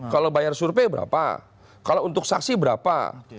kalau bayar survei berapa kalau untuk saksi berapa